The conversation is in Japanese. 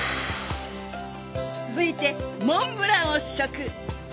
続いてモンブランを試食。